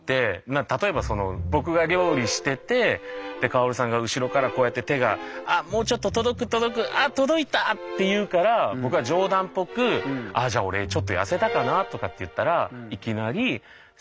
例えば僕が料理してて薫さんが後ろからこうやって手が「もうちょっと届く届くあっ届いた！」って言うから僕が冗談っぽく「じゃあ俺ちょっと痩せたかな」とかって言ったらいきなりはあ。